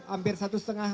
hampir satu setengah